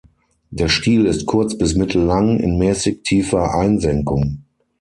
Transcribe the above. Der Stiel ist kurz bis mittellang, in mäßig tiefer Einsenkung.